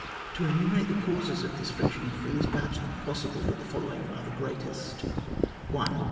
To enumerate the causes of this fric tion in full is perhaps not possible, but the following are the greatest :— 1.